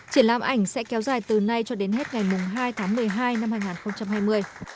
triển lãm ảnh sẽ kéo dài từ nay cho đến hết ngày hai tháng một mươi hai năm hai nghìn hai mươi